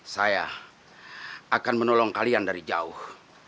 saya akan menolong kalian dari jauh